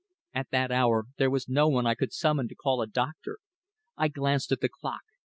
At that hour there was no one I could summon to call a doctor. I glanced at the clock.